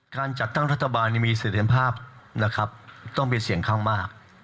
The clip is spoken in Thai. การจัดตั้งรัฐบาลมีเสร็จภาพนะครับต้องเป็นเสียงข้างมาก